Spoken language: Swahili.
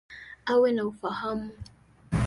Awe na ufahamu.